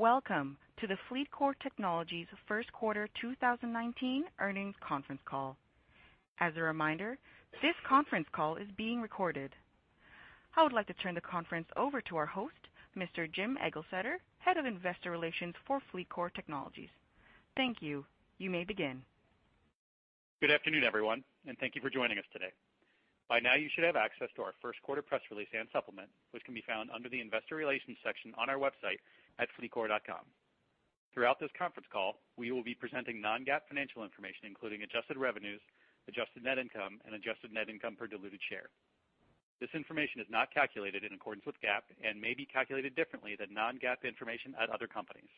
Greetings, and welcome to the FleetCor Technologies first quarter 2019 earnings conference call. As a reminder, this conference call is being recorded. I would like to turn the conference over to our host, Mr. Jim Eglseder, Head of Investor Relations for FleetCor Technologies. Thank you. You may begin. Good afternoon, everyone, and thank you for joining us today. By now, you should have access to our first quarter press release and supplement, which can be found under the investor relations section on our website at fleetcor.com. Throughout this conference call, we will be presenting non-GAAP financial information, including adjusted revenues, adjusted net income, and adjusted net income per diluted share. This information is not calculated in accordance with GAAP and may be calculated differently than non-GAAP information at other companies.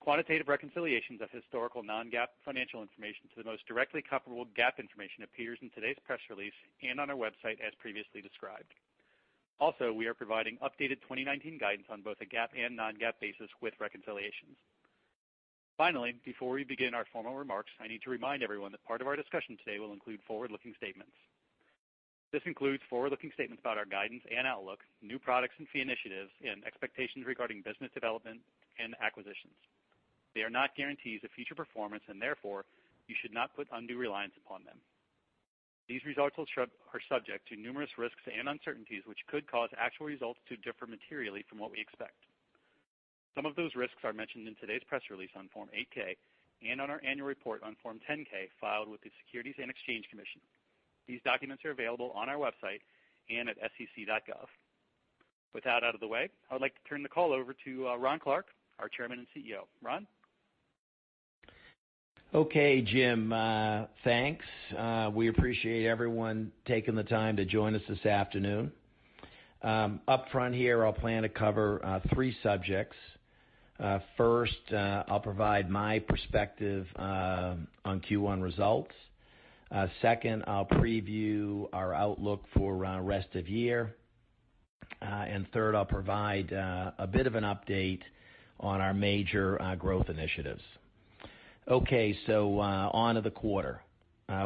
Quantitative reconciliations of historical non-GAAP financial information to the most directly comparable GAAP information appears in today's press release and on our website as previously described. Also, we are providing updated 2019 guidance on both a GAAP and non-GAAP basis with reconciliations. Finally, before we begin our formal remarks, I need to remind everyone that part of our discussion today will include forward-looking statements. This includes forward-looking statements about our guidance and outlook, new products and fee initiatives, and expectations regarding business development and acquisitions. They are not guarantees of future performance, and therefore, you should not put undue reliance upon them. These results are subject to numerous risks and uncertainties, which could cause actual results to differ materially from what we expect. Some of those risks are mentioned in today's press release on Form 8-K and on our annual report on Form 10-K filed with the Securities and Exchange Commission. These documents are available on our website and at sec.gov. With that out of the way, I would like to turn the call over to Ron Clarke, our Chairman and CEO. Ron? Okay, Jim. Thanks. We appreciate everyone taking the time to join us this afternoon. Upfront here, I'll plan to cover three subjects. First, I'll provide my perspective on Q1 results. Second, I'll preview our outlook for rest of year. Third, I'll provide a bit of an update on our major growth initiatives. Okay. On to the quarter.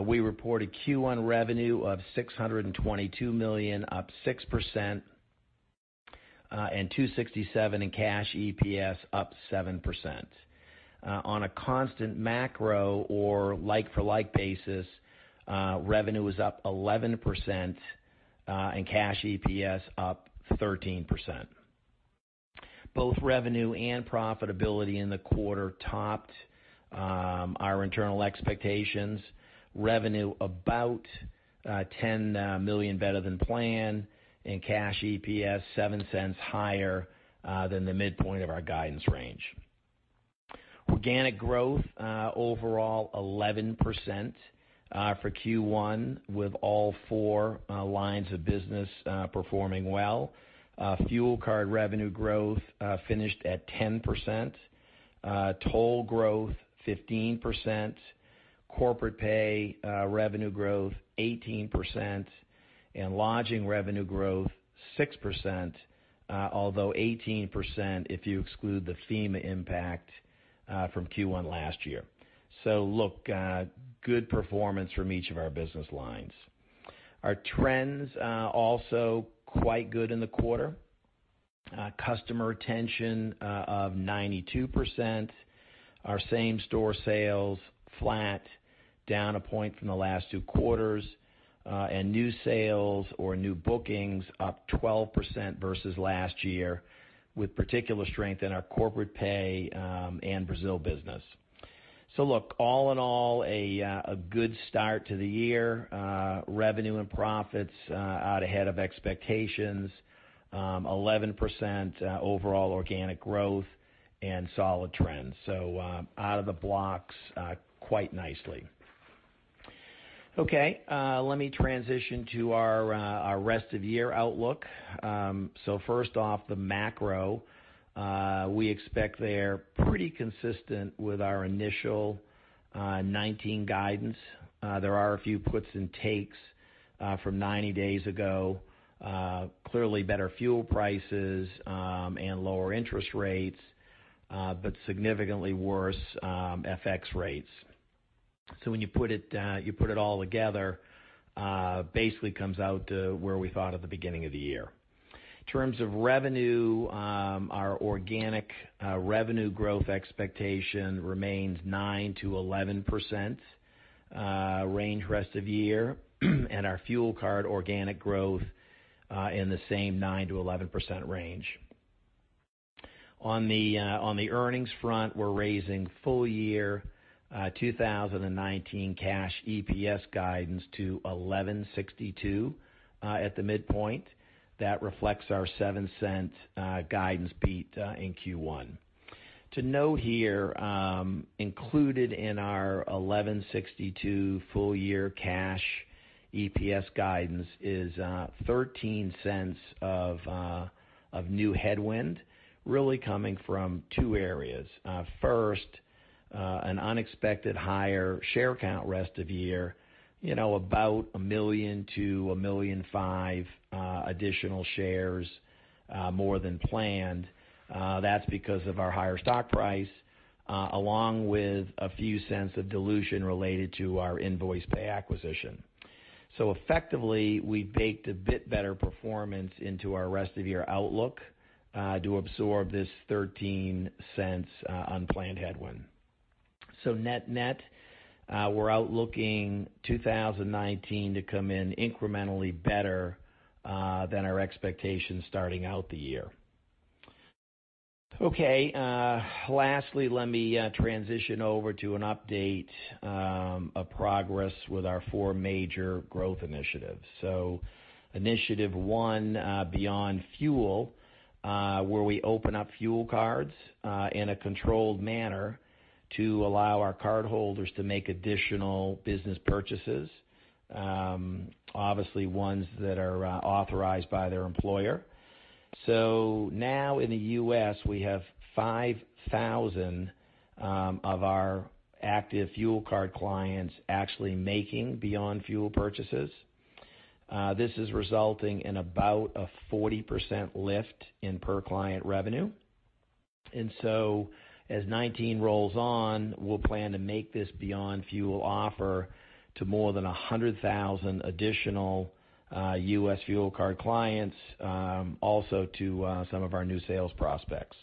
We reported Q1 revenue of $622 million, up 6%, and $2.67 in cash EPS, up 7%. On a constant macro or like-for-like basis, revenue was up 11%, and cash EPS up 13%. Both revenue and profitability in the quarter topped our internal expectations, revenue about $10 million better than planned, and cash EPS $0.07 higher than the midpoint of our guidance range. Organic growth, overall 11% for Q1, with all four lines of business performing well. Fuel card revenue growth finished at 10%, toll growth 15%, corporate pay revenue growth 18%, and lodging revenue growth 6%, although 18% if you exclude the FEMA impact from Q1 last year. Look, good performance from each of our business lines. Our trends also quite good in the quarter. Customer retention of 92%. Our same-store sales flat, down a point from the last two quarters. New sales or new bookings up 12% versus last year, with particular strength in our corporate pay and Brazil business. Look, all in all, a good start to the year. Revenue and profits out ahead of expectations. 11% overall organic growth and solid trends. Out of the blocks quite nicely. Okay, let me transition to our rest of year outlook. First off, the macro. We expect there pretty consistent with our initial 2019 guidance. There are a few puts and takes from 90 days ago. Clearly better fuel prices and lower interest rates but significantly worse FX rates. When you put it all together, basically comes out to where we thought at the beginning of the year. In terms of revenue, our organic revenue growth expectation remains 9%-11% range rest of year, and our fuel card organic growth in the same 9%-11% range. On the earnings front, we're raising full year 2019 cash EPS guidance to $11.62 at the midpoint. That reflects our $0.07 guidance beat in Q1. To note here, included in our $11.62 full-year cash EPS guidance is $0.13 of new headwind, really coming from two areas. First, an unexpected higher share count rest of year, about 1 million to 1.5 million additional shares more than planned. That's because of our higher stock price, along with a few cents of dilution related to our Nvoicepay acquisition. Effectively, we baked a bit better performance into our rest of year outlook to absorb this $0.13 unplanned headwind. Net-net, we're out looking 2019 to come in incrementally better than our expectations starting out the year. Okay. Lastly, let me transition over to an update of progress with our four major growth initiatives. Initiative one, Beyond Fuel, where we open up fuel cards in a controlled manner to allow our cardholders to make additional business purchases. Obviously, ones that are authorized by their employer. Now in the U.S., we have 5,000 of our active fuel card clients actually making Beyond Fuel purchases. This is resulting in about a 40% lift in per-client revenue. As 2019 rolls on, we'll plan to make this Beyond Fuel offer to more than 100,000 additional U.S. fuel card clients, also to some of our new sales prospects.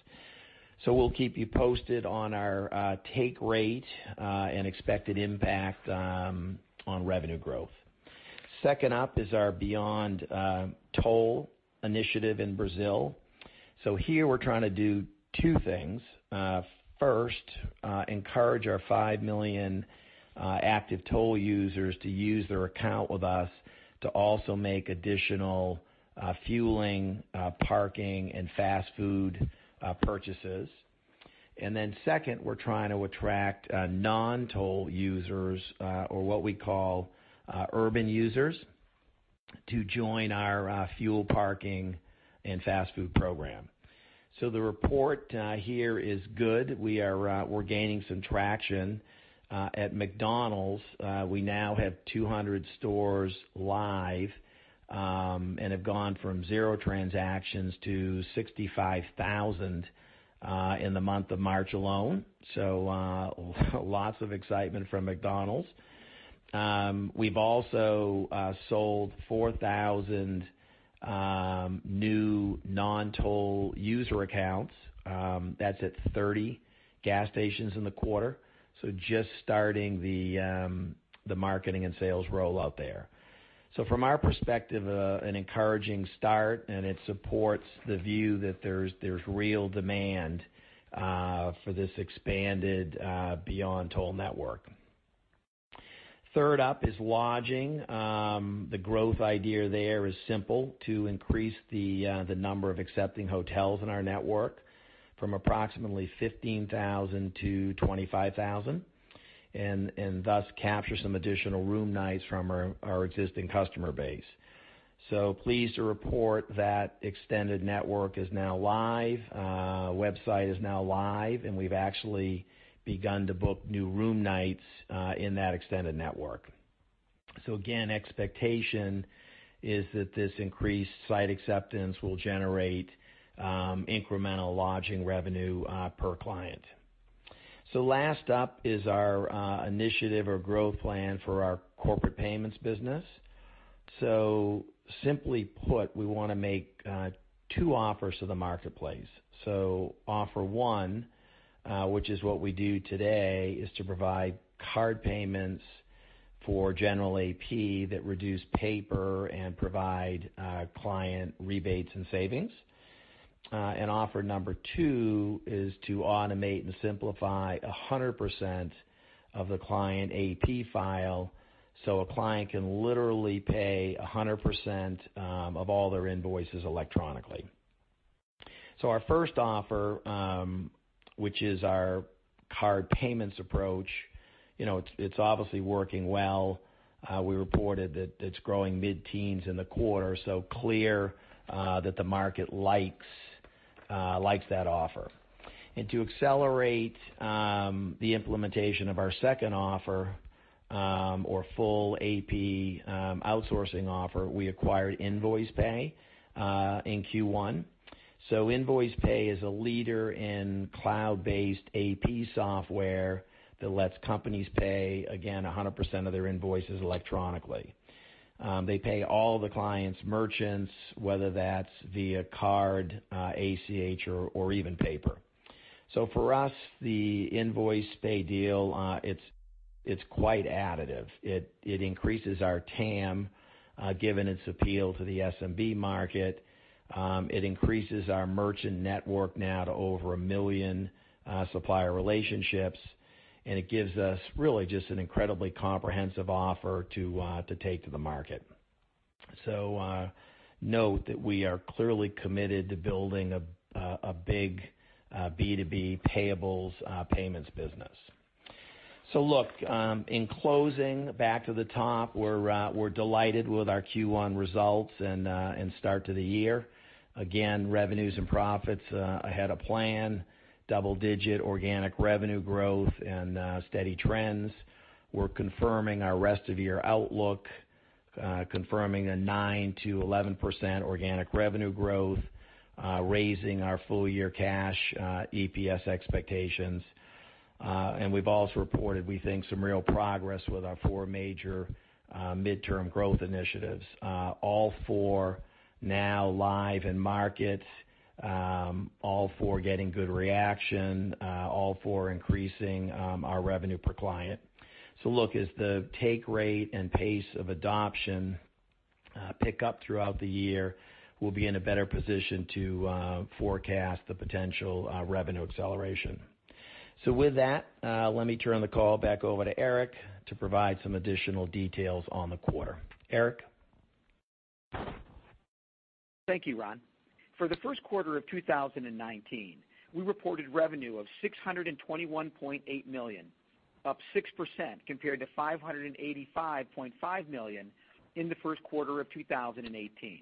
We'll keep you posted on our take rate, and expected impact on revenue growth. Second up is our Beyond Toll initiative in Brazil. Here we're trying to do two things. First, encourage our 5 million active toll users to use their account with us to also make additional fueling, parking, and fast food purchases. Second, we're trying to attract non-toll users, or what we call urban users, to join our fuel, parking, and fast food program. The report here is good. We're gaining some traction. At McDonald's, we now have 200 stores live, and have gone from zero transactions to 65,000 in the month of March alone. Lots of excitement from McDonald's. We've also sold 4,000 new non-toll user accounts. That's at 30 gas stations in the quarter. Just starting the marketing and sales rollout there. From our perspective, an encouraging start, and it supports the view that there's real demand for this expanded Beyond Toll network. Third up is lodging. The growth idea there is simple, to increase the number of accepting hotels in our network from approximately 15,000 to 25,000, and thus capture some additional room nights from our existing customer base. Pleased to report that extended network is now live. Website is now live, and we've actually begun to book new room nights in that extended network. Again, expectation is that this increased site acceptance will generate incremental lodging revenue per client. Last up is our initiative or growth plan for our corporate payments business. Simply put, we want to make two offers to the marketplace. Offer one, which is what we do today, is to provide card payments for general AP that reduce paper and provide client rebates and savings. Offer number two is to automate and simplify 100% of the client AP file, so a client can literally pay 100% of all their invoices electronically. Our first offer, which is our card payments approach, it's obviously working well. We reported that it's growing mid-teens in the quarter, clear that the market likes that offer. To accelerate the implementation of our second offer, or full AP outsourcing offer, we acquired Nvoicepay in Q1. Nvoicepay is a leader in cloud-based AP software that lets companies pay, again, 100% of their invoices electronically. They pay all the client's merchants, whether that's via card, ACH, or even paper. For us, the Nvoicepay deal, it's quite additive. It increases our TAM, given its appeal to the SMB market. It increases our merchant network now to over 1 million supplier relationships. It gives us really just an incredibly comprehensive offer to take to the market. Note that we are clearly committed to building a big B2B payables payments business. Look, in closing, back to the top. We're delighted with our Q1 results and start to the year. Again, revenues and profits ahead of plan. Double-digit organic revenue growth and steady trends. We're confirming our rest of year outlook, confirming a 9%-11% organic revenue growth, raising our full-year cash EPS expectations. We've also reported, we think, some real progress with our four major midterm growth initiatives. All four now live in markets. All four getting good reaction, all four increasing our revenue per client. Look, as the take rate and pace of adoption pick up throughout the year, we'll be in a better position to forecast the potential revenue acceleration. With that, let me turn the call back over to Eric to provide some additional details on the quarter. Eric? Thank you, Ron. For the first quarter of 2019, we reported revenue of $621.8 million, up 6%, compared to $585.5 million in the first quarter of 2018.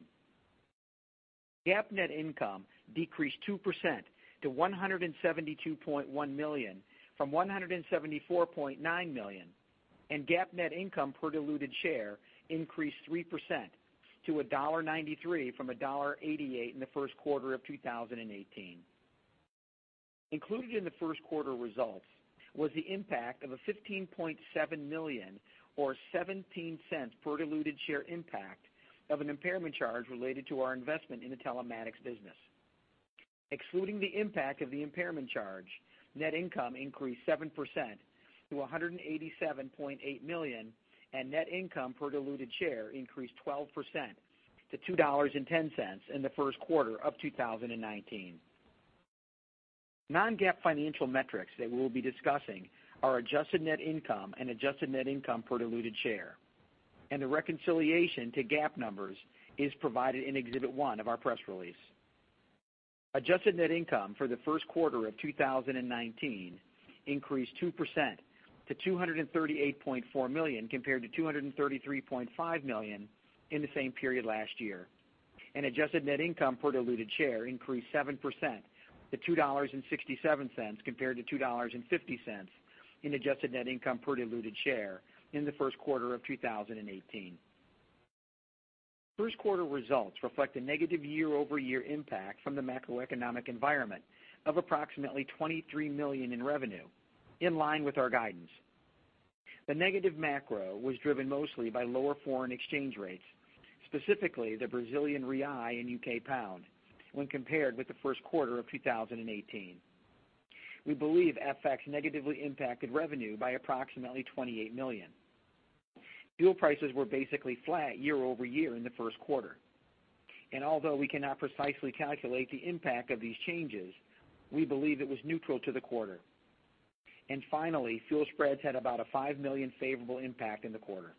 GAAP net income decreased 2% to $172.1 million from $174.9 million, and GAAP net income per diluted share increased 3% to $1.93 from $1.88 in the first quarter of 2018. Included in the first quarter results was the impact of a $15.7 million or $0.17 per diluted share impact of an impairment charge related to our investment in the telematics business. Excluding the impact of the impairment charge, net income increased 7% to $187.8 million, and net income per diluted share increased 12% to $2.10 in the first quarter of 2019. non-GAAP financial metrics that we will be discussing are adjusted net income and adjusted net income per diluted share. The reconciliation to GAAP numbers is provided in Exhibit one of our press release. Adjusted net income for the first quarter of 2019 increased 2% to $238.4 million compared to $233.5 million in the same period last year. Adjusted net income per diluted share increased 7% to $2.67 compared to $2.50 in adjusted net income per diluted share in the first quarter of 2018. First quarter results reflect a negative year-over-year impact from the macroeconomic environment of approximately $23 million in revenue, in line with our guidance. The negative macro was driven mostly by lower foreign exchange rates, specifically the Brazilian real and UK pound, when compared with the first quarter of 2018. We believe FX negatively impacted revenue by approximately $28 million. Fuel prices were basically flat year-over-year in the first quarter. Although we cannot precisely calculate the impact of these changes, we believe it was neutral to the quarter. Finally, fuel spreads had about a $5 million favorable impact in the quarter.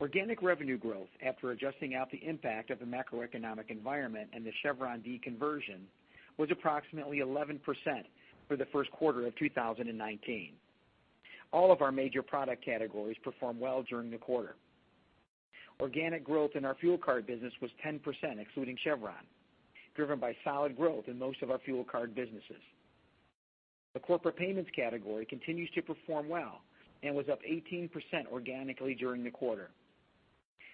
Organic revenue growth after adjusting out the impact of the macroeconomic environment and the Chevron deconversion was approximately 11% for the first quarter of 2019. All of our major product categories performed well during the quarter. Organic growth in our fuel card business was 10%, excluding Chevron, driven by solid growth in most of our fuel card businesses. The corporate payments category continues to perform well and was up 18% organically during the quarter.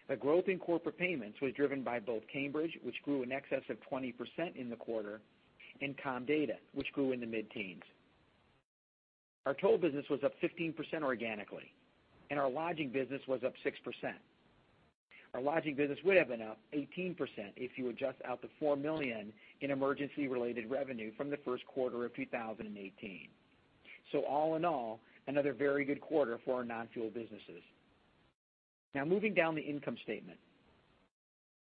The growth in corporate payments was driven by both Cambridge, which grew in excess of 20% in the quarter, and Comdata, which grew in the mid-teens. Our toll business was up 15% organically. Our lodging business was up 6%. Our lodging business would have been up 18% if you adjust out the $4 million in emergency-related revenue from the first quarter of 2018. All in all, another very good quarter for our non-fuel businesses. Now moving down the income statement.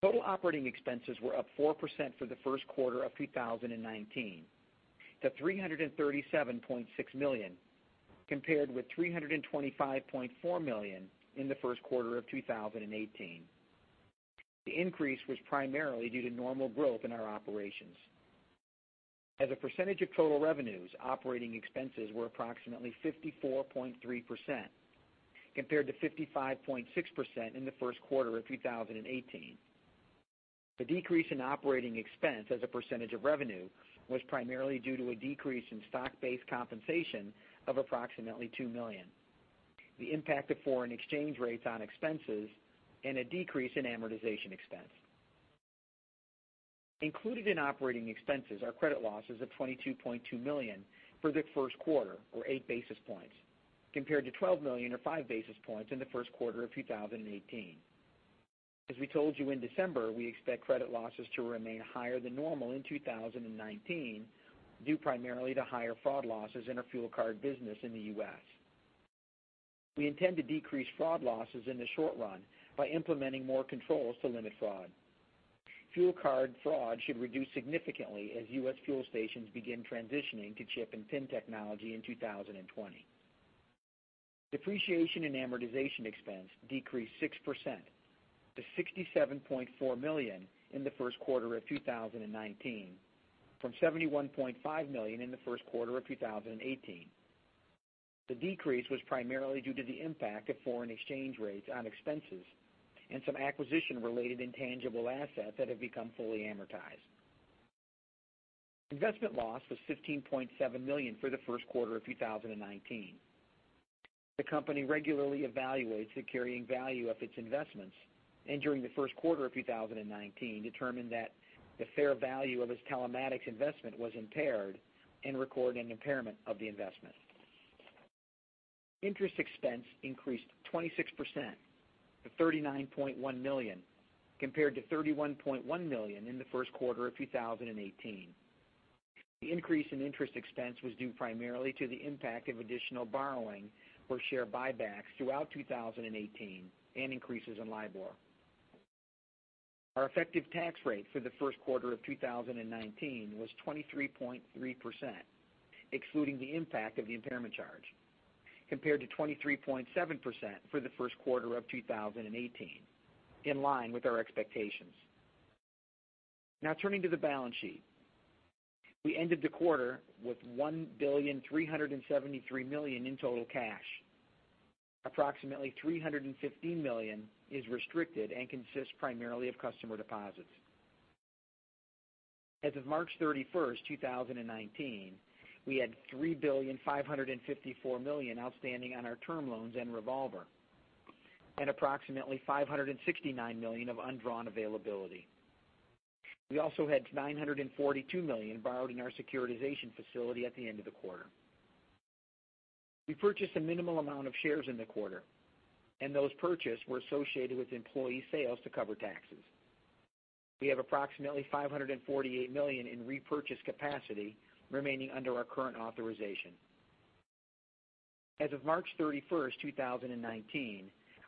Total operating expenses were up 4% for the first quarter of 2019 to $337.6 million, compared with $325.4 million in the first quarter of 2018. As a percentage of total revenues, operating expenses were approximately 54.3%, compared to 55.6% in the first quarter of 2018. The decrease in operating expense as a percentage of revenue was primarily due to a decrease in stock-based compensation of approximately $2 million, the impact of foreign exchange rates on expenses, and a decrease in amortization expense. Included in operating expenses are credit losses of $22.2 million for the first quarter or eight basis points, compared to $12 million or five basis points in the first quarter of 2018. As we told you in December, we expect credit losses to remain higher than normal in 2019, due primarily to higher fraud losses in our fuel card business in the U.S. We intend to decrease fraud losses in the short run by implementing more controls to limit fraud. Fuel card fraud should reduce significantly as U.S. fuel stations begin transitioning to chip and PIN technology in 2020. Depreciation and amortization expense decreased 6% to $67.4 million in the first quarter of 2019 from $71.5 million in the first quarter of 2018. The decrease was primarily due to the impact of foreign exchange rates on expenses and some acquisition-related intangible assets that have become fully amortized. Investment loss was $15.7 million for the first quarter of 2019. The company regularly evaluates the carrying value of its investments and during the first quarter of 2019, determined that the fair value of its telematics investment was impaired and recorded an impairment of the investment. Interest expense increased 26%, to $39.1 million, compared to $31.1 million in the first quarter of 2018. The increase in interest expense was due primarily to the impact of additional borrowing for share buybacks throughout 2018 and increases in LIBOR. Our effective tax rate for the first quarter of 2019 was 23.3%, excluding the impact of the impairment charge, compared to 23.7% for the first quarter of 2018, in line with our expectations. Now turning to the balance sheet. We ended the quarter with $1,373,000,000 in total cash. Approximately $315 million is restricted and consists primarily of customer deposits. As of March 31st, 2019, we had $3,554,000,000 outstanding on our term loans and revolver, and approximately $569 million of undrawn availability. We also had $942 million borrowed in our securitization facility at the end of the quarter. We purchased a minimal amount of shares in the quarter, and those purchased were associated with employee sales to cover taxes. We have approximately $548 million in repurchase capacity remaining under our current authorization. As of March 31st, 2019,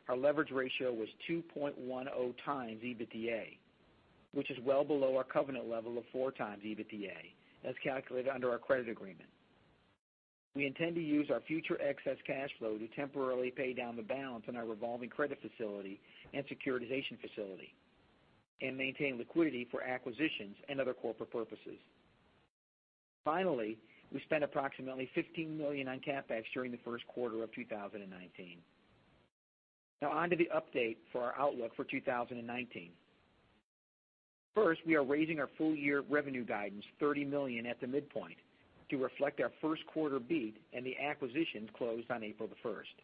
our leverage ratio was 2.10 times EBITDA, which is well below our covenant level of 4 times EBITDA, as calculated under our credit agreement. We intend to use our future excess cash flow to temporarily pay down the balance on our revolving credit facility and securitization facility and maintain liquidity for acquisitions and other corporate purposes. Finally, we spent approximately $15 million on CapEx during the first quarter of 2019. Now on to the update for our outlook for 2019. First, we are raising our full-year revenue guidance $30 million at the midpoint to reflect our first quarter beat and the acquisitions closed on April 1st.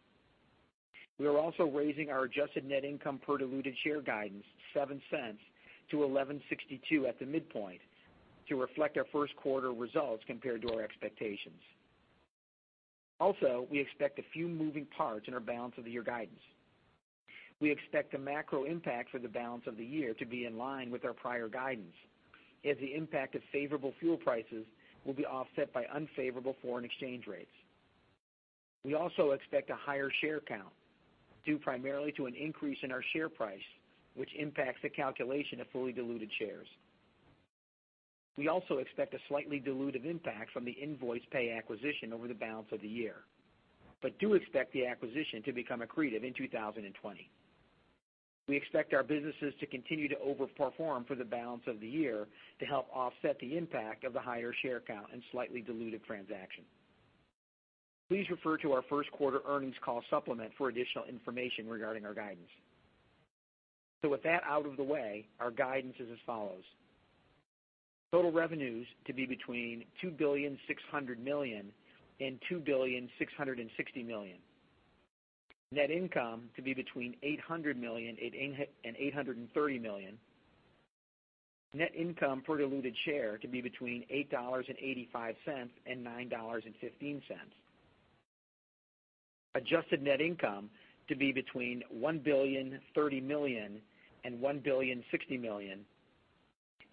We are also raising our adjusted net income per diluted share guidance $0.07 to $11.62 at the midpoint to reflect our first quarter results compared to our expectations. Also, we expect a few moving parts in our balance of the year guidance. We expect the macro impact for the balance of the year to be in line with our prior guidance, as the impact of favorable fuel prices will be offset by unfavorable foreign exchange rates. We also expect a higher share count due primarily to an increase in our share price, which impacts the calculation of fully diluted shares. We also expect a slightly dilutive impact from the Nvoicepay acquisition over the balance of the year, but do expect the acquisition to become accretive in 2020. We expect our businesses to continue to over-perform for the balance of the year to help offset the impact of the higher share count and slightly dilutive transaction. Please refer to our first quarter earnings call supplement for additional information regarding our guidance. With that out of the way, our guidance is as follows. Total revenues to be between $2,600 million-$2,660 million. Net income to be between $800 million-$830 million. Net income per diluted share to be between $8.85-$9.15. Adjusted net income to be between $1,030 million-$1,060 million,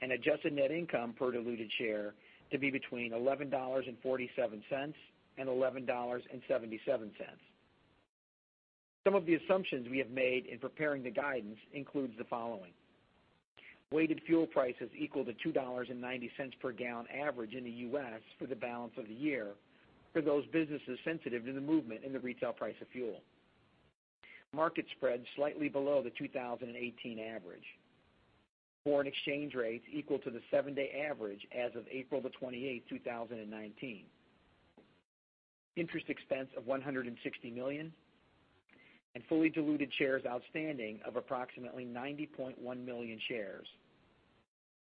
and adjusted net income per diluted share to be between $11.47-$11.77. Some of the assumptions we have made in preparing the guidance includes the following. Weighted fuel prices equal to $2.90 per gallon average in the U.S. for the balance of the year for those businesses sensitive to the movement in the retail price of fuel. Market spreads slightly below the 2018 average. Foreign exchange rates equal to the seven-day average as of April 28th, 2019. Interest expense of $160 million, and fully diluted shares outstanding of approximately 90.1 million shares.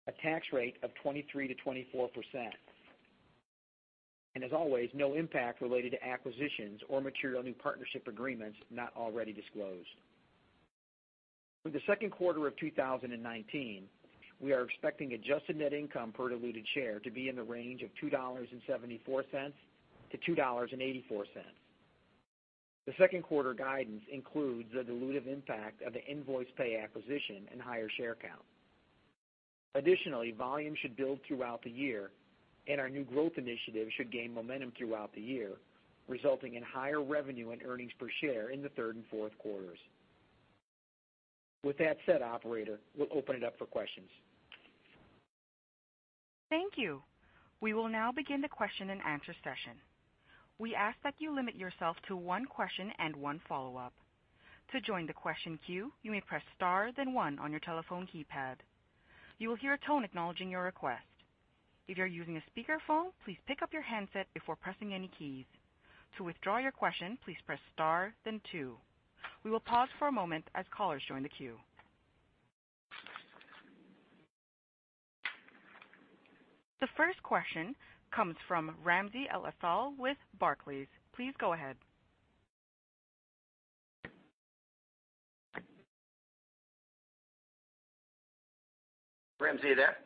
A tax rate of 23%-24%. As always, no impact related to acquisitions or material new partnership agreements not already disclosed. For the second quarter of 2019, we are expecting adjusted net income per diluted share to be in the range of $2.74-$2.84. The second quarter guidance includes the dilutive impact of the Nvoicepay acquisition and higher share count. Additionally, volume should build throughout the year and our new growth initiatives should gain momentum throughout the year, resulting in higher revenue and earnings per share in the third and fourth quarters. With that said, operator, we'll open it up for questions. Thank you. We will now begin the question and answer session. We ask that you limit yourself to one question and one follow-up. To join the question queue, you may press star then one on your telephone keypad. You will hear a tone acknowledging your request. If you are using a speakerphone, please pick up your handset before pressing any keys. To withdraw your question, please press star then two. We will pause for a moment as callers join the queue. The first question comes from Ramsey El-Assal with Barclays. Please go ahead. Ramsey, are you there?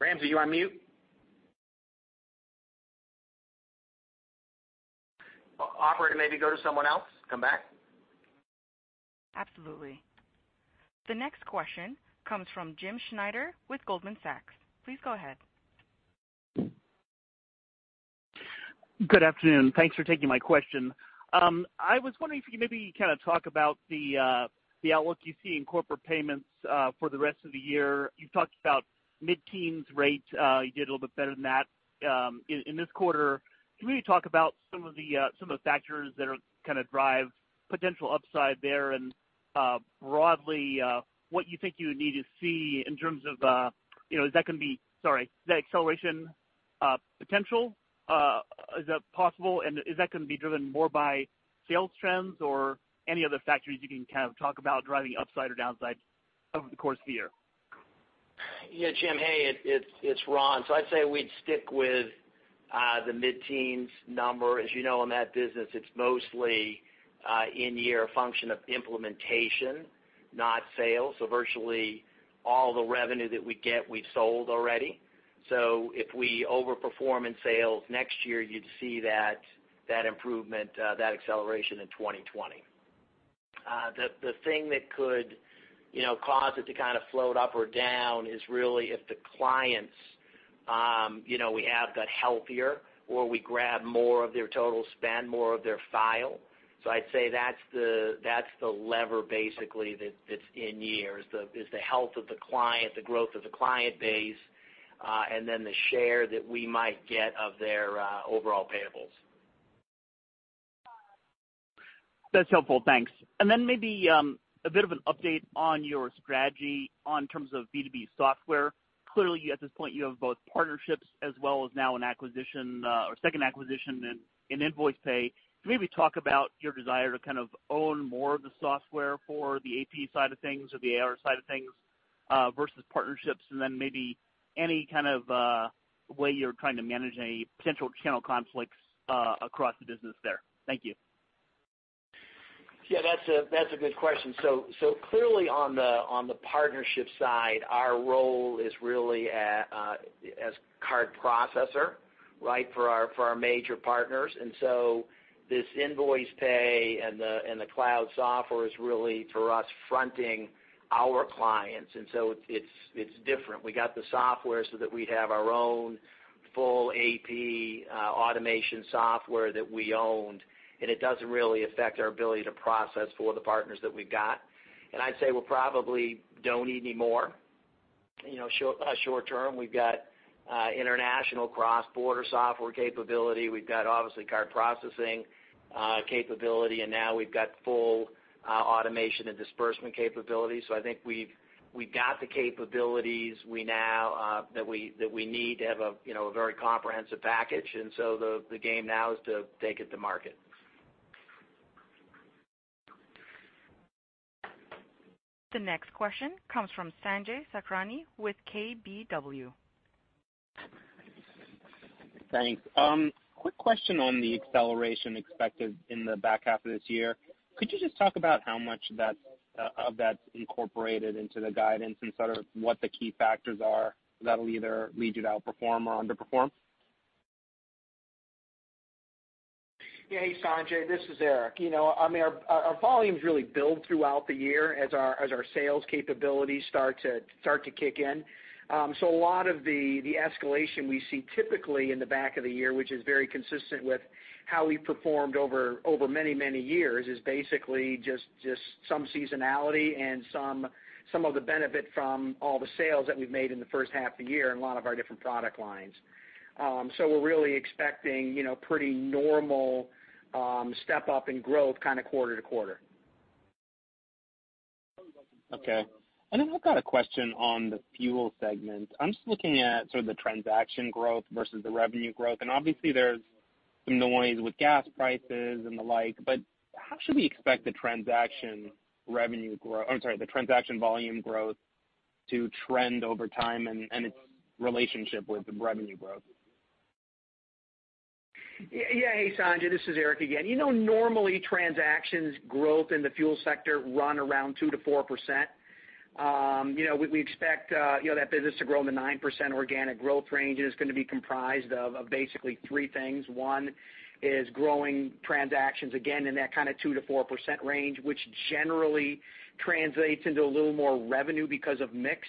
Ramsey, are you on mute? Operator, maybe go to someone else, come back. Absolutely. The next question comes from James Schneider with Goldman Sachs. Please go ahead. Good afternoon. Thanks for taking my question. I was wondering if you could maybe talk about the outlook you see in corporate payments for the rest of the year. You talked about mid-teens rate. You did a little bit better than that in this quarter. Can we talk about some of the factors that drive potential upside there and broadly what you think you would need to see in terms of the acceleration potential? Is that possible and is that going to be driven more by sales trends or any other factors you can talk about driving upside or downside over the course of the year? Yeah, Jim. Hey, it's Ron. I'd say we'd stick with the mid-teens number. As you know, in that business, it's mostly in-year function of implementation, not sales. Virtually all the revenue that we get, we've sold already. If we over-perform in sales next year you'd see that improvement, that acceleration in 2020. The thing that could cause it to float up or down is really if the clients we have got healthier or we grab more of their total spend, more of their file. I'd say that's the lever basically that's in-year is the health of the client, the growth of the client base, and then the share that we might get of their overall payables. That's helpful. Thanks. Maybe, a bit of an update on your strategy in terms of B2B software. Clearly at this point you have both partnerships as well as now an acquisition or second acquisition in Nvoicepay. Can you maybe talk about your desire to own more of the software for the AP side of things or the AR side of things versus partnerships and then maybe any kind of way you're trying to manage any potential channel conflicts across the business there. Thank you. Yeah, that's a good question. Clearly on the partnership side, our role is really as card processor for our major partners. This Nvoicepay and the cloud software is really for us fronting our clients. It's different. We got the software so that we'd have our own full AP automation software that we owned, and it doesn't really affect our ability to process for the partners that we've got. I'd say we probably don't need any more short-term. We've got international cross-border software capability. We've got obviously card processing capability. Now we've got full automation and disbursement capability. I think we've got the capabilities that we need to have a very comprehensive package. The game now is to take it to market. The next question comes from Sanjay Sakhrani with KBW. Thanks. Quick question on the acceleration expected in the back half of this year. Could you just talk about how much of that's incorporated into the guidance and sort of what the key factors are that'll either lead you to outperform or underperform? Yeah. Hey, Sanjay, this is Eric. Our volumes really build throughout the year as our sales capabilities start to kick in. A lot of the escalation we see typically in the back of the year, which is very consistent with how we've performed over many years, is basically just some seasonality and some of the benefit from all the sales that we've made in the first half of the year in a lot of our different product lines. We're really expecting pretty normal step up in growth quarter-to-quarter. Okay. I've got a question on the fuel segment. I'm just looking at sort of the transaction growth versus the revenue growth. Obviously there's some noise with gas prices and the like, but how should we expect the transaction volume growth to trend over time and its relationship with the revenue growth? Yeah. Hey, Sanjay, this is Eric again. Normally transactions growth in the fuel sector run around 2%-4%. We expect that business to grow in the 9% organic growth range is going to be comprised of basically three things. One is growing transactions again in that kind of 2%-4% range, which generally translates into a little more revenue because of mix.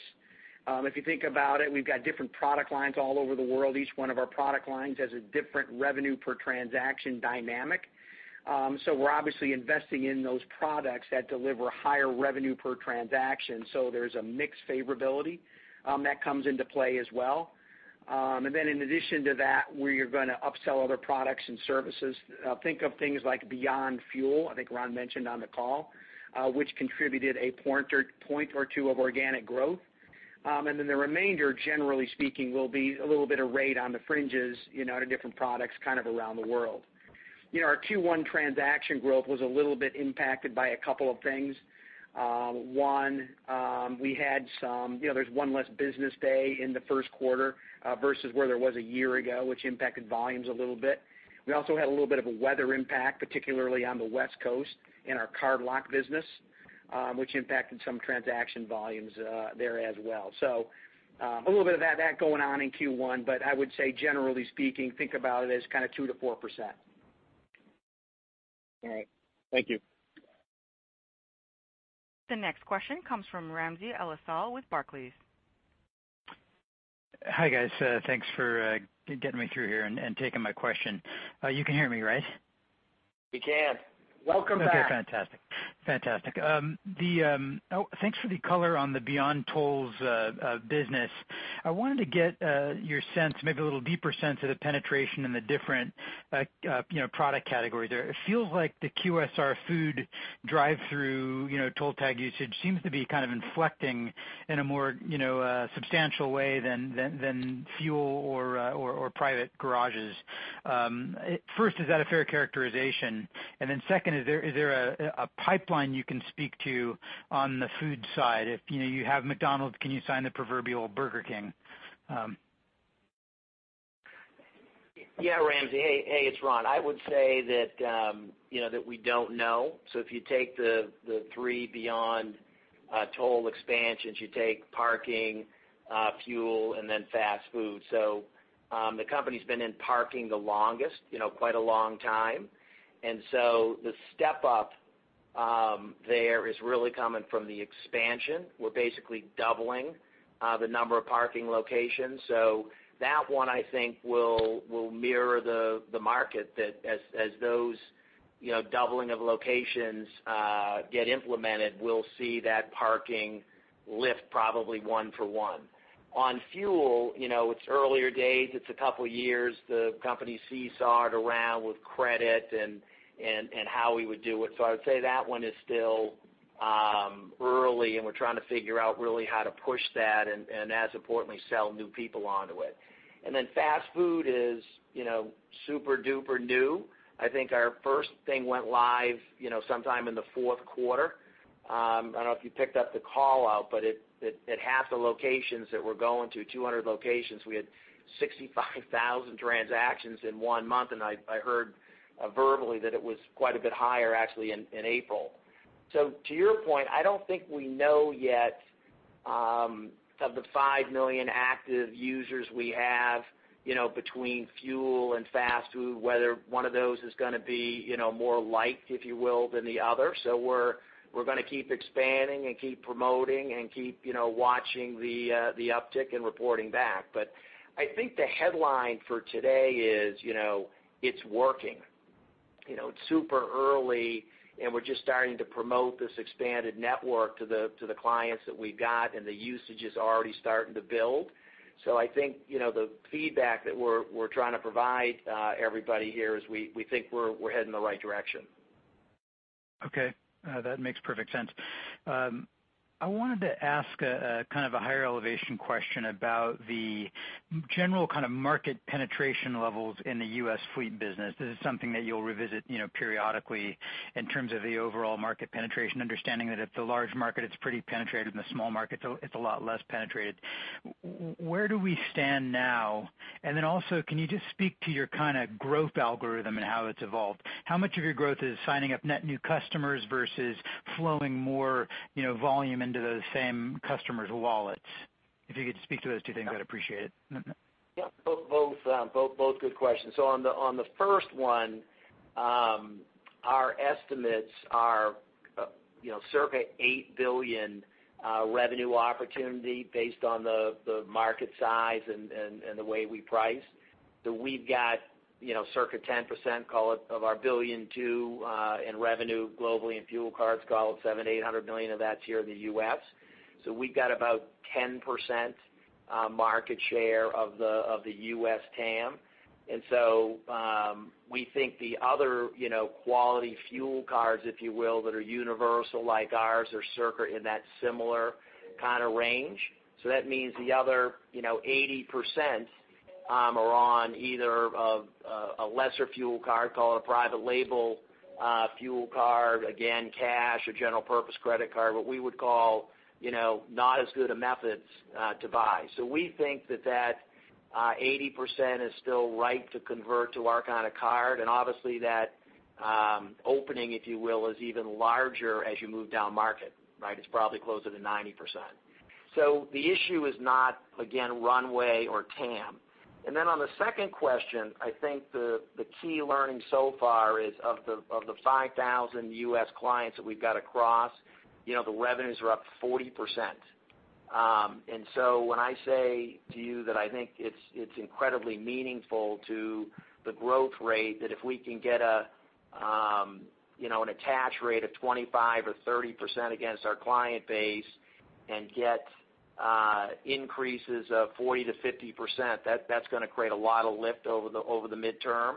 If you think about it, we've got different product lines all over the world. Each one of our product lines has a different revenue per transaction dynamic. We're obviously investing in those products that deliver higher revenue per transaction. There's a mix favorability that comes into play as well. In addition to that, we are going to upsell other products and services. Think of things like Beyond Fuel, I think Ron mentioned on the call, which contributed a point or two of organic growth. The remainder, generally speaking will be a little bit of rate on the fringes to different products around the world. Our Q1 transaction growth was a little bit impacted by a couple of things. One, there's one less business day in the first quarter versus where there was a year ago, which impacted volumes a little bit. We also had a little bit of a weather impact, particularly on the West Coast in our card lock business, which impacted some transaction volumes there as well. A little bit of that going on in Q1, but I would say generally speaking, think about it as 2%-4%. All right. Thank you. The next question comes from Ramsey El-Assal with Barclays. Hi, guys. Thanks for getting me through here and taking my question. You can hear me right? We can. Welcome back. Fantastic. Thanks for the color on the Beyond Toll business. I wanted to get your sense, maybe a little deeper sense of the penetration in the different product categories there. It feels like the QSR food drive-through toll tag usage seems to be kind of inflecting in a more substantial way than fuel or private garages. First, is that a fair characterization? Second, is there a pipeline you can speak to on the food side? If you have McDonald's, can you sign the proverbial Burger King? Yeah, Ramsey. Hey, it's Ron. I would say that we don't know. If you take the three Beyond Toll expansions, you take parking, fuel, and then fast food. The company's been in parking the longest, quite a long time. The step up there is really coming from the expansion. We're basically doubling the number of parking locations. That one, I think will mirror the market that as those doubling of locations get implemented, we'll see that parking lift probably one for one. On fuel, it's earlier days, it's a couple years. The company seesawed around with credit and how we would do it. I would say that one is still early, and we're trying to figure out really how to push that and as importantly, sell new people onto it. Fast food is super-duper new. I think our first thing went live sometime in the fourth quarter. I don't know if you picked up the call-out, but at half the locations that we're going to, 200 locations, we had 65,000 transactions in one month, and I heard verbally that it was quite a bit higher, actually in April. To your point, I don't think we know yet, of the 5 million active users we have between fuel and fast food, whether one of those is going to be more liked, if you will, than the other. We're going to keep expanding and keep promoting and keep watching the uptick and reporting back. I think the headline for today is, it's working. It's super early, and we're just starting to promote this expanded network to the clients that we've got, and the usage is already starting to build. I think, the feedback that we're trying to provide everybody here is we think we're heading in the right direction. Okay. That makes perfect sense. I wanted to ask a kind of a higher elevation question about the general kind of market penetration levels in the U.S. fleet business. This is something that you'll revisit periodically in terms of the overall market penetration, understanding that if the large market, it's pretty penetrated, in the small market, it's a lot less penetrated. Where do we stand now? Can you just speak to your kind of growth algorithm and how it's evolved? How much of your growth is signing up net new customers versus flowing more volume into those same customers' wallets? If you could speak to those two things, I'd appreciate it. Yeah. Both good questions. Our estimates are circa $8 billion revenue opportunity based on the market size and the way we price. We've got circa 10%, call it, of our $1.2 billion in revenue globally in fuel cards, call it $700 million-$800 million of that's here in the U.S. We've got about 10% market share of the U.S. TAM. We think the other quality fuel cards, if you will, that are universal like ours, are circa in that similar kind of range. That means the other 80% are on either a lesser fuel card, call it a private label fuel card, again, cash or general purpose credit card, what we would call not as good a methods to buy. We think that 80% is still right to convert to our kind of card, and obviously that opening, if you will, is even larger as you move down market, right? It's probably closer to 90%. The issue is not, again, runway or TAM. On the second question, I think the key learning so far is of the 5,000 U.S. clients that we've got across, the revenues are up 40%. When I say to you that I think it's incredibly meaningful to the growth rate, that if we can get an attach rate of 25% or 30% against our client base and get increases of 40%-50%, that's going to create a lot of lift over the midterm.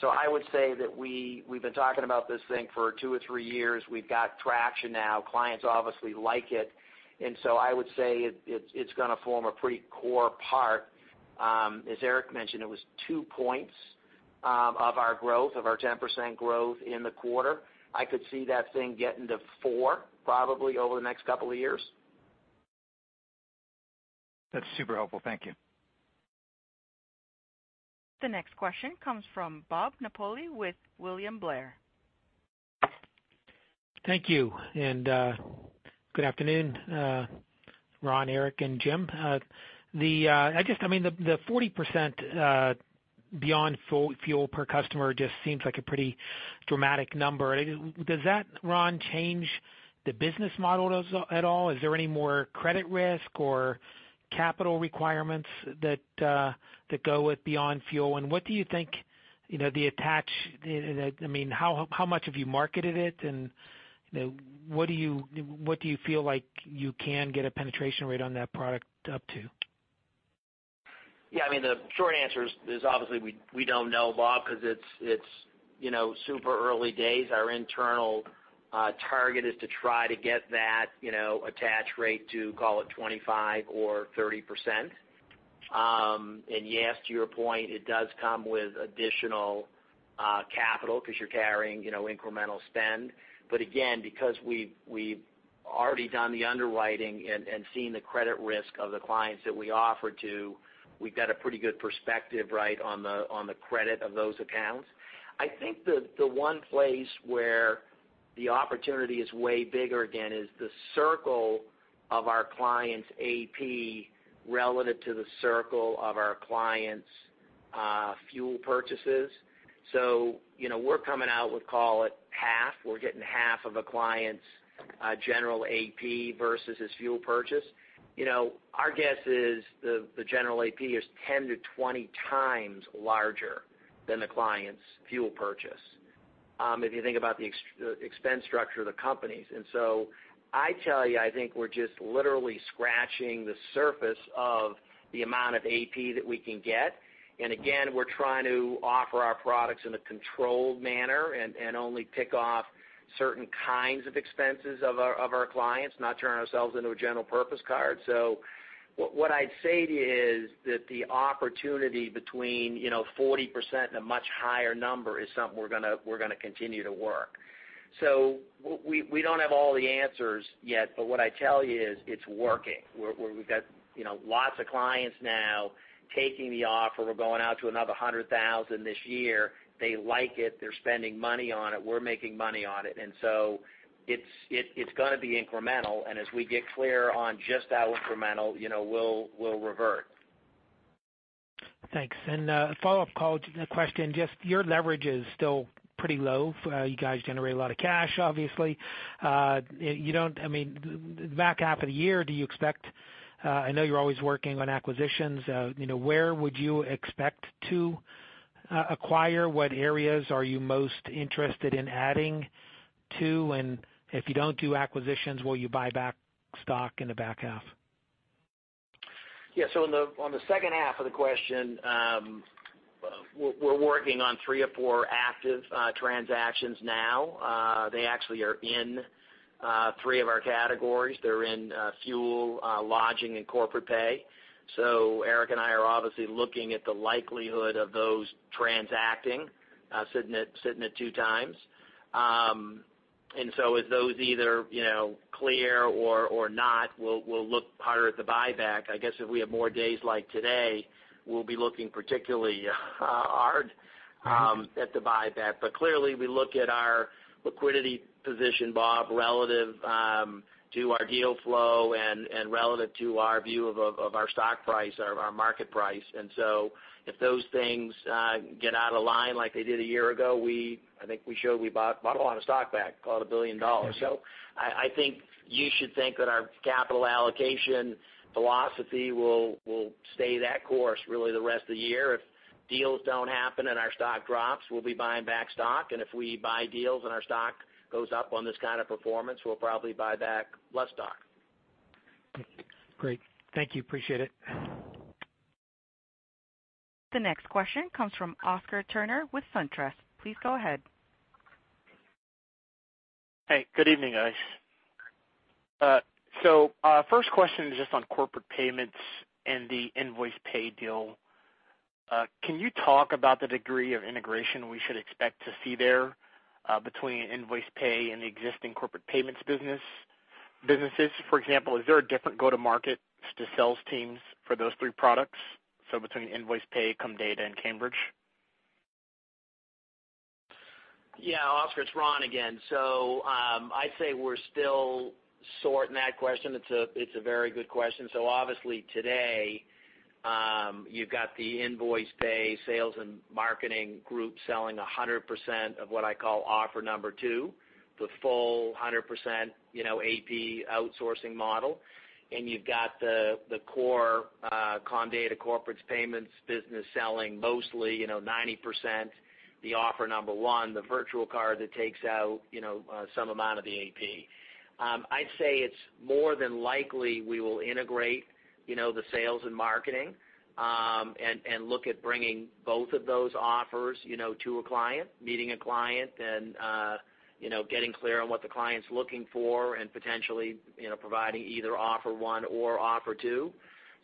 I would say that we've been talking about this thing for two or three years. We've got traction now. Clients obviously like it. I would say it's going to form a pretty core part. As Eric mentioned, it was 2 points of our growth, of our 10% growth in the quarter. I could see that thing getting to 4 probably over the next couple of years. That's super helpful. Thank you. The next question comes from Bob Napoli with William Blair. Thank you. Good afternoon, Ron, Eric, and Jim. I guess the 40% Beyond Fuel per customer just seems like a pretty dramatic number. Does that, Ron, change the business model at all? Is there any more credit risk or capital requirements that go with Beyond Fuel? How much have you marketed it and what do you feel like you can get a penetration rate on that product up to? Yeah, the short answer is obviously we don't know, Bob, because it's super early days. Our internal target is to try to get that attach rate to call it 25% or 30%. Yes, to your point, it does come with additional capital because you're carrying incremental spend. Again, because we've already done the underwriting and seen the credit risk of the clients that we offer to, we've got a pretty good perspective on the credit of those accounts. I think the one place where the opportunity is way bigger, again, is the circle of our clients' AP relative to the circle of our clients' fuel purchases. We're coming out with, call it half. We're getting half of a client's general AP versus his fuel purchase. Our guess is the general AP is 10 to 20 times larger than the client's fuel purchase, if you think about the expense structure of the companies. I tell you, I think we're just literally scratching the surface of the amount of AP that we can get. Again, we're trying to offer our products in a controlled manner and only pick off certain kinds of expenses of our clients, not turn ourselves into a general purpose card. What I'd say to you is that the opportunity between 40% and a much higher number is something we're going to continue to work. We don't have all the answers yet, but what I tell you is it's working. We've got lots of clients now taking the offer. We're going out to another 100,000 this year. They like it. They're spending money on it. We're making money on it. It's going to be incremental, and as we get clear on just how incremental, we'll revert. Thanks. A follow-up question, just your leverage is still pretty low. You guys generate a lot of cash, obviously. Back half of the year, do you expect I know you're always working on acquisitions. Where would you expect to acquire? What areas are you most interested in adding to? If you don't do acquisitions, will you buy back stock in the back half? Yeah. On the second half of the question, we're working on three or four active transactions now. They actually are in 3 of our categories. They're in fuel, lodging, and corporate pay. Eric and I are obviously looking at the likelihood of those transacting, sitting at two times. As those either clear or not, we'll look harder at the buyback. I guess if we have more days like today, we'll be looking particularly hard at the buyback. Clearly, we look at our liquidity position, Bob, relative to our deal flow and relative to our view of our stock price, our market price. If those things get out of line like they did a year ago, I think we showed we bought a lot of stock back, about $1 billion. I think you should think that our capital allocation philosophy will stay that course really the rest of the year. If deals don't happen and our stock drops, we'll be buying back stock. If we buy deals and our stock goes up on this kind of performance, we'll probably buy back less stock. Great. Thank you. Appreciate it. The next question comes from Oscar Turner with SunTrust. Please go ahead. Hey, good evening, guys. First question is just on corporate payments and the Nvoicepay deal. Can you talk about the degree of integration we should expect to see there between Nvoicepay and the existing corporate payments businesses? For example, is there a different go-to-market to sales teams for those three products? Between Nvoicepay, Comdata, and Cambridge. Oscar, it's Ron again. I'd say we're still sorting that question. It's a very good question. Obviously today, you've got the Nvoicepay sales and marketing group selling 100% of what I call offer number 2, the full 100% AP outsourcing model. You've got the core Comdata corporate payments business selling mostly 90% the offer number 1, the virtual card that takes out some amount of the AP. I'd say it's more than likely we will integrate the sales and marketing, and look at bringing both of those offers to a client, meeting a client, and getting clear on what the client's looking for and potentially providing either offer one or offer two.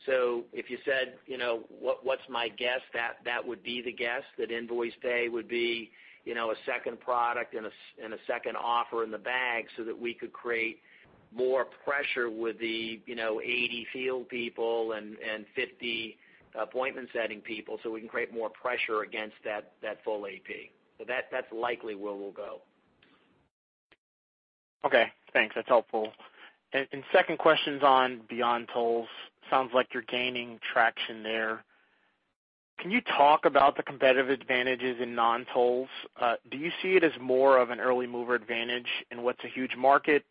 If you said, "What's my guess?" That would be the guess, that Nvoicepay would be a second product and a second offer in the bag so that we could create more pressure with the 80 field people and 50 appointment-setting people, so we can create more pressure against that full AP. That's likely where we'll go. Okay, thanks. That's helpful. Second question's on Beyond Toll. Sounds like you're gaining traction there. Can you talk about the competitive advantages in non-tolls? Do you see it as more of an early mover advantage in what's a huge market,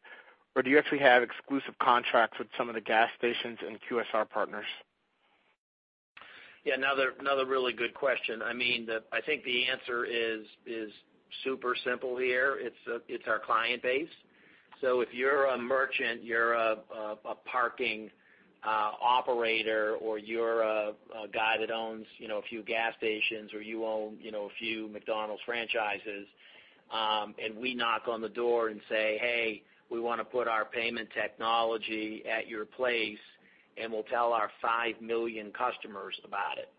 or do you actually have exclusive contracts with some of the gas stations and QSR partners? Yeah. Another really good question. I think the answer is super simple here. It's our client base. If you're a merchant, you're a parking operator or you're a guy that owns a few gas stations or you own a few McDonald's franchises, and we knock on the door and say, "Hey, we want to put our payment technology at your place, and we'll tell our five million customers about it."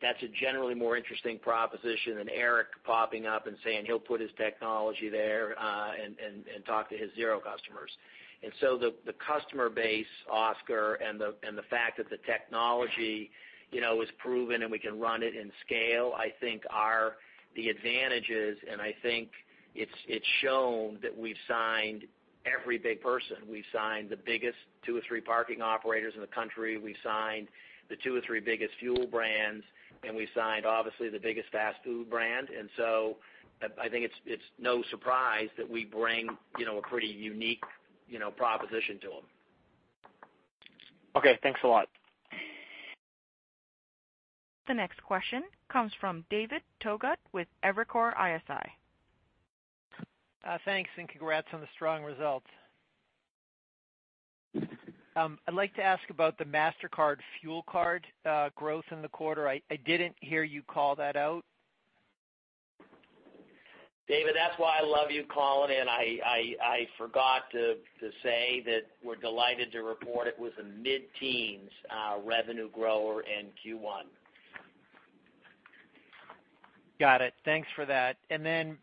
That's a generally more interesting proposition than Eric popping up and saying he'll put his technology there and talk to his zero customers. The customer base, Oscar, and the fact that the technology is proven and we can run it in scale, I think are the advantages, and I think it's shown that we've signed every big person. We've signed the biggest two or three parking operators in the country. We've signed the two or three biggest fuel brands, and we've signed, obviously, the biggest fast food brand. I think it's no surprise that we bring a pretty unique proposition to them. Okay, thanks a lot. The next question comes from David Togut with Evercore ISI. Thanks, congrats on the strong results. I'd like to ask about the Mastercard fuel card growth in the quarter. I didn't hear you call that out. David, that's why I love you calling in. I forgot to say that we're delighted to report it was a mid-teens revenue grower in Q1. Got it. Thanks for that. Then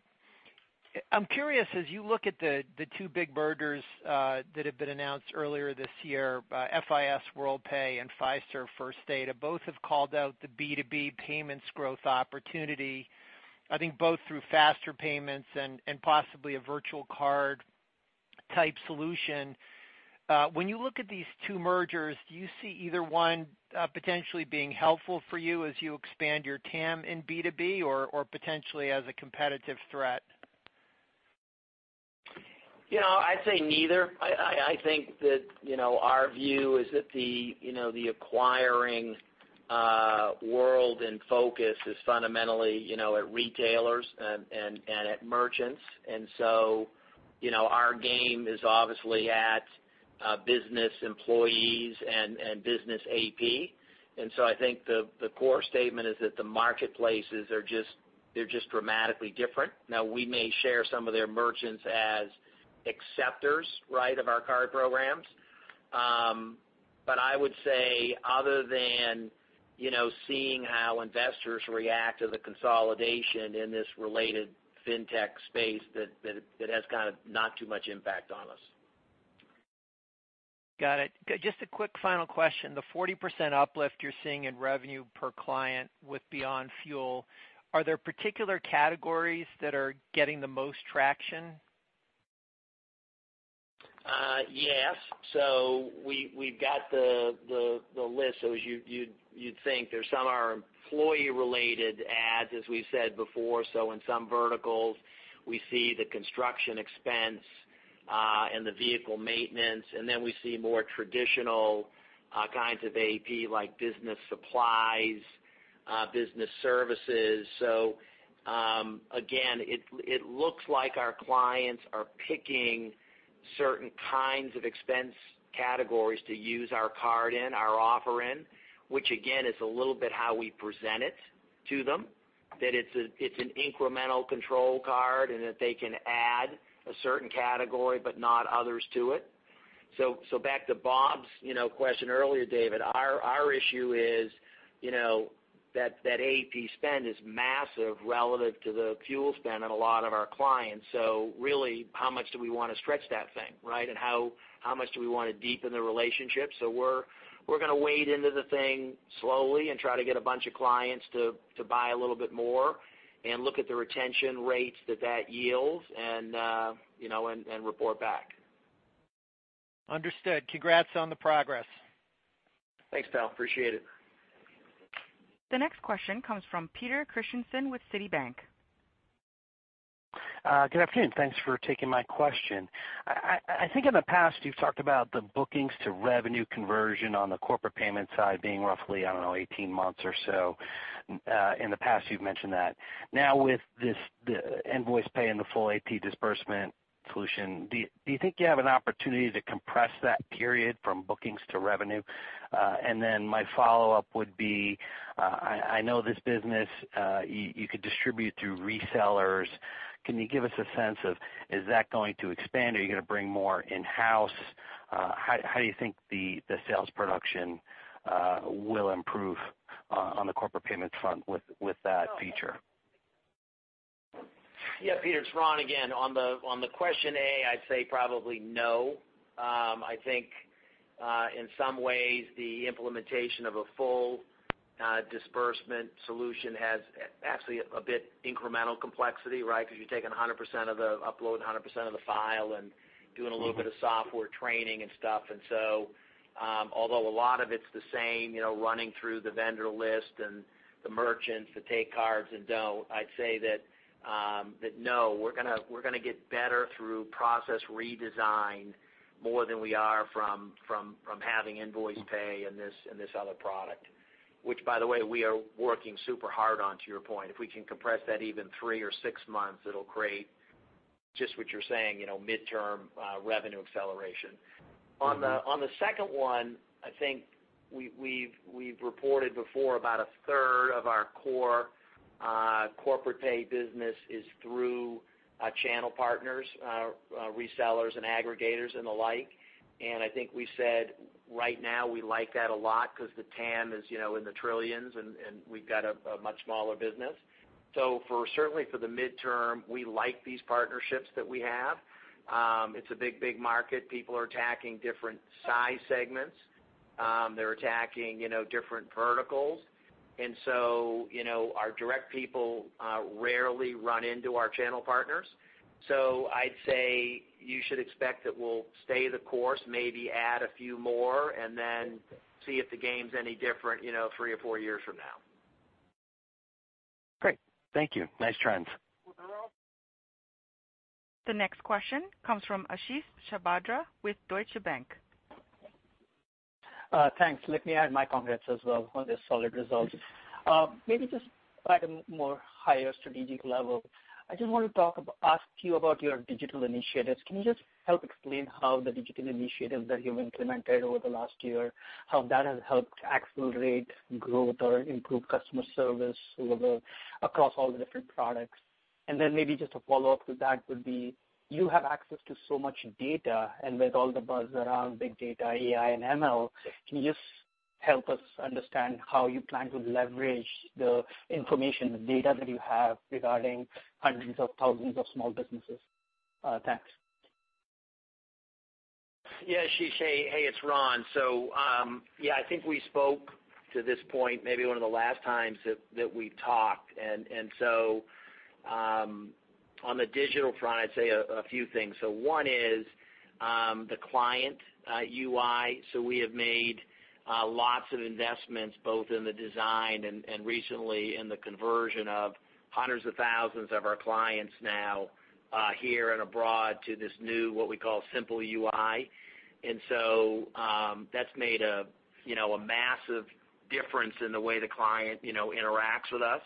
I'm curious, as you look at the two big mergers that have been announced earlier this year, FIS, Worldpay and Fiserv, First Data, both have called out the B2B payments growth opportunity, I think both through faster payments and possibly a virtual card type solution. When you look at these two mergers, do you see either one potentially being helpful for you as you expand your TAM in B2B or potentially as a competitive threat? I'd say neither. I think that our view is that the acquiring world and focus is fundamentally at retailers and at merchants. So our game is obviously at business employees and business AP. So I think the core statement is that the marketplaces are just dramatically different. Now, we may share some of their merchants as acceptors of our card programs. I would say other than seeing how investors react to the consolidation in this related fintech space that has kind of not too much impact on us. Got it. Just a quick final question. The 40% uplift you're seeing in revenue per client with Beyond Fuel, are there particular categories that are getting the most traction? Yes. We've got the list. As you'd think, there's some are employee related ads, as we've said before. In some verticals we see the construction expense and the vehicle maintenance, and then we see more traditional kinds of AP like business supplies, business services. Again, it looks like our clients are picking certain kinds of expense categories to use our card in, our offer in, which again is a little bit how we present it to them, that it's an incremental control card and that they can add a certain category but not others to it. Back to Bob's question earlier, David, our issue is that AP spend is massive relative to the fuel spend on a lot of our clients. Really how much do we want to stretch that thing, right? How much do we want to deepen the relationship? We're going to wade into the thing slowly and try to get a bunch of clients to buy a little bit more and look at the retention rates that that yields and report back. Understood. Congrats on the progress. Thanks, pal, appreciate it. The next question comes from Peter Christiansen with Citi. Good afternoon. Thanks for taking my question. I think in the past you've talked about the bookings to revenue conversion on the corporate payment side being roughly, I don't know, 18 months or so. In the past you've mentioned that. Now with this Nvoicepay and the full AP disbursement solution, do you think you have an opportunity to compress that period from bookings to revenue? My follow-up would be, I know this business you could distribute through resellers. Can you give us a sense of is that going to expand? Are you going to bring more in-house? How do you think the sales production will improve on the corporate payments front with that feature? Yeah, Peter, it's Ron again. On the question A, I'd say probably no. I think in some ways, the implementation of a full disbursement solution has actually a bit incremental complexity, right? Because you're taking 100% of the upload, 100% of the file, and doing a little bit of software training and stuff. Although a lot of it's the same, running through the vendor list and the merchants that take cards and don't, I'd say that, no, we're going to get better through process redesign more than we are from having Nvoicepay and this other product. Which, by the way, we are working super hard on, to your point. If we can compress that even three or six months, it'll create just what you're saying, midterm revenue acceleration. On the second one, I think we've reported before about a third of our core corporate pay business is through channel partners, resellers and aggregators and the like. I think we said right now we like that a lot because the TAM is in the trillions, and we've got a much smaller business. Certainly for the midterm, we like these partnerships that we have. It's a big market. People are attacking different size segments. They're attacking different verticals. Our direct people rarely run into our channel partners. I'd say you should expect that we'll stay the course, maybe add a few more, and then see if the game's any different three or four years from now. Great. Thank you. Nice trends. The next question comes from Ashish Sabadra with Deutsche Bank. Thanks. Let me add my congrats as well on the solid results. Maybe just at a more higher strategic level, I just want to ask you about your digital initiatives. Can you just help explain how the digital initiatives that you've implemented over the last year, how that has helped accelerate growth or improve customer service across all the different products? Then maybe just a follow-up to that would be, you have access to so much data, and with all the buzz around big data, AI, and ML, can you just help us understand how you plan to leverage the information, the data that you have regarding hundreds of thousands of small businesses? Thanks. Yeah, Ashish. Hey, it's Ron. Yeah, I think we spoke to this point maybe one of the last times that we talked. On the digital front, I'd say a few things. One is the client UI. We have made lots of investments both in the design and recently in the conversion of hundreds of thousands of our clients now here and abroad to this new what we call simple UI. That's made a massive difference in the way the client interacts with us.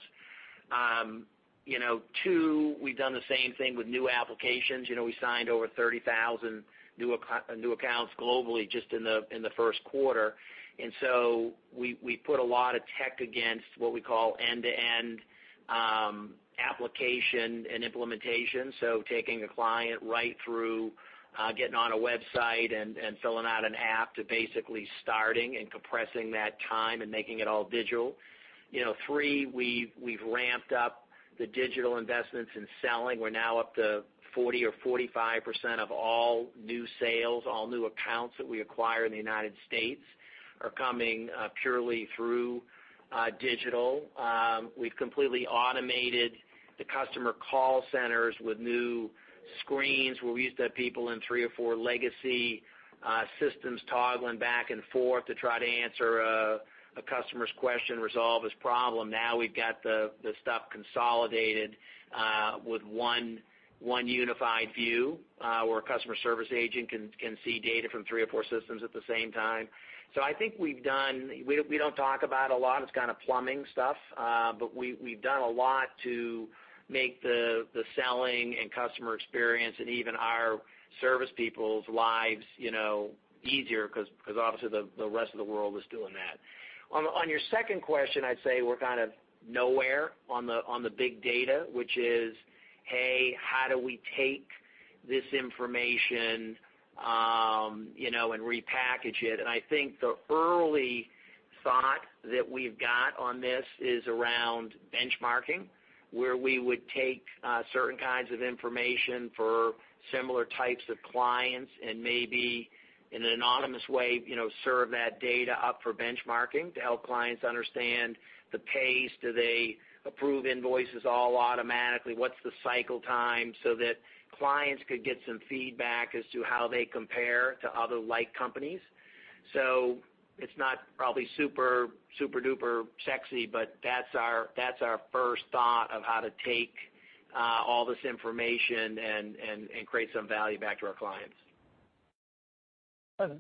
Two, we've done the same thing with new applications. We signed over 30,000 new accounts globally just in the first quarter. We put a lot of tech against what we call end-to-end application and implementation. Taking a client right through getting on a website and filling out an app to basically starting and compressing that time and making it all digital. Three, we've ramped up the digital investments in selling. We're now up to 40% or 45% of all new sales. All new accounts that we acquire in the United States are coming purely through digital. We've completely automated the customer call centers with new screens where we used to have people in three or four legacy systems toggling back and forth to try to answer a customer's question, resolve his problem. Now we've got the stuff consolidated with one unified view where a customer service agent can see data from three or four systems at the same time. I think we don't talk about a lot, it's kind of plumbing stuff, we've done a lot to make the selling and customer experience and even our service people's lives easier because obviously the rest of the world is doing that. On your second question, I'd say we're kind of nowhere on the big data, which is, hey, how do we take this information and repackage it? I think the early thought that we've got on this is around benchmarking, where we would take certain kinds of information for similar types of clients and maybe in an anonymous way serve that data up for benchmarking to help clients understand the pace. Do they approve invoices all automatically? What's the cycle time? That clients could get some feedback as to how they compare to other like companies. It's not probably super-duper sexy, that's our first thought of how to take all this information and create some value back to our clients.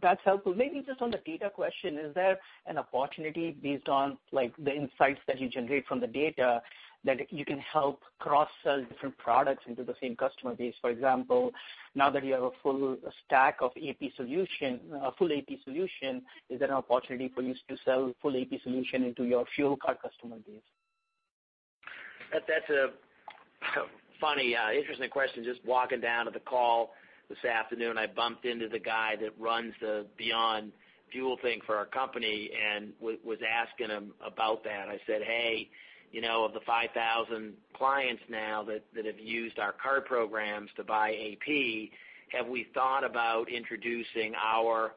That's helpful. Maybe just on the data question, is there an opportunity based on the insights that you generate from the data that you can help cross-sell different products into the same customer base? For example, now that you have a full stack of AP solution, a full AP solution, is there an opportunity for you to sell full AP solution into your fuel card customer base? That's a funny interesting question. Just walking down to the call this afternoon, I bumped into the guy that runs the Beyond Fuel thing for our company and was asking him about that. I said, "Hey, of the 5,000 clients now that have used our card programs to buy AP, have we thought about introducing our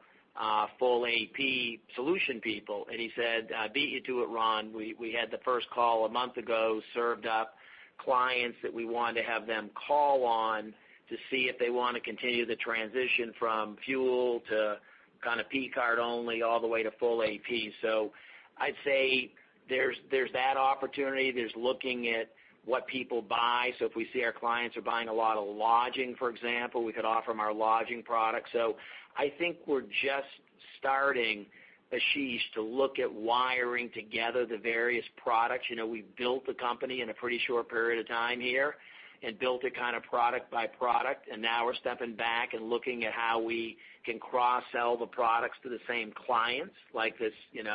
full AP solution people?" He said, "I beat you to it, Ron. We had the first call a month ago, served up clients that we wanted to have them call on to see if they want to continue the transition from fuel to kind of P-card only all the way to full AP." I'd say there's that opportunity. There's looking at what people buy. If we see our clients are buying a lot of lodging, for example, we could offer them our lodging product. I think we're just starting, Ashish, to look at wiring together the various products. We've built the company in a pretty short period of time here and built it kind of product by product, and now we're stepping back and looking at how we can cross-sell the products to the same clients like this. You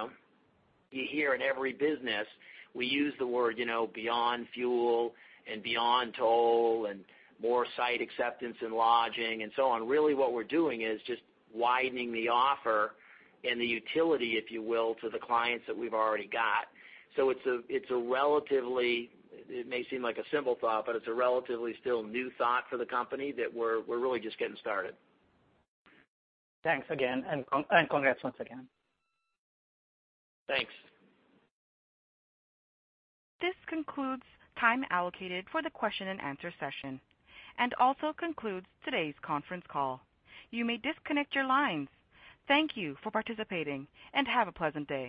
hear in every business, we use the word Beyond Fuel and Beyond Toll and more site acceptance in lodging and so on. Really what we're doing is just widening the offer and the utility, if you will, to the clients that we've already got. It may seem like a simple thought, but it's a relatively still new thought for the company that we're really just getting started. Thanks again, congrats once again. Thanks. This concludes time allocated for the question and answer session and also concludes today's conference call. You may disconnect your lines. Thank you for participating and have a pleasant day.